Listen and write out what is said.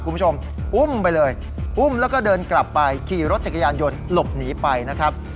คุณผู้ชมอุ้มไปเลยอุ้มแล้วก็เดินกลับไปขี่รถจักรยานยนต์หลบหนีไปนะครับ